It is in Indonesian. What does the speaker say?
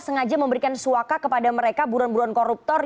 sengaja memberikan suaka kepada mereka buruan buruan koruptor